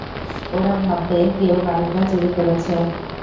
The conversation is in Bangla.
ওরা ভাববে কেউ গাড়িটা চুরি করেছে।